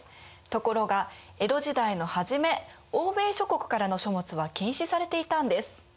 ところが江戸時代の初め欧米諸国からの書物は禁止されていたんです。